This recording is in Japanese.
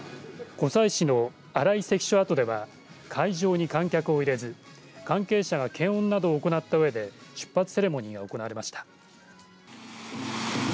湖西市の新居関所跡では会場に観客を入れず関係者が検温などを行ったうえで出発セレモニーが行われました。